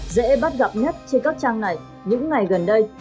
dễ bắt gặp nhất trên các trang này những ngày gần đây